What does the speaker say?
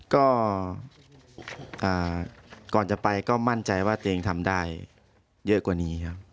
ก็ก่อนจะไปก็มั่นใจว่าตัวเองทำได้เยอะกว่านี้ครับ